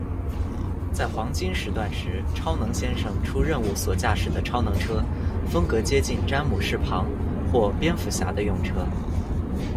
在黄金时段时，超能先生出任务所驾驶的超能车，风格接近詹姆士·庞或蝙蝠侠的用车。